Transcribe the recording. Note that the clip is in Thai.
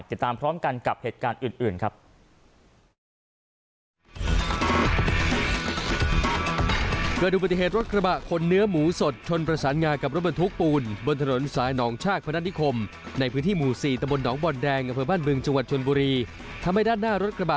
ติดตามพร้อมกันกับเหตุการณ์อื่นครับ